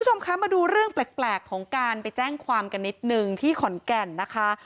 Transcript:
คุณผู้ชมคะมาดูเรื่องแปลกของการไปแจ้งความกันนิดนึงที่ขอนแก่นนะคะ